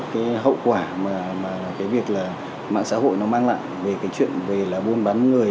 cái hậu quả mà cái việc là mạng xã hội nó mang lại về cái chuyện về là buôn bán người